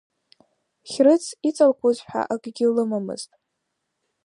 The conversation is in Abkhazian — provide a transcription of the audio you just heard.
Хьрыц иҵалкуаз ҳәа акагь лымамызт.